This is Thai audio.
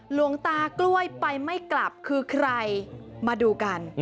หลวงตากล้วยไปไม่กลับคือใครมาดูกัน